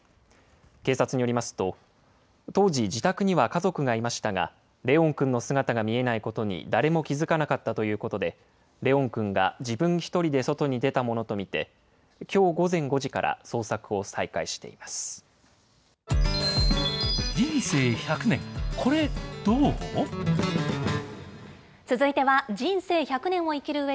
警察によりますと、当時、自宅には家族がいましたが、怜音くんの姿が見えないことに誰も気付かなかったということで、怜音くんが自分１人で外に出たものと見て、きょう午前５時から捜人生１００年、コレどう！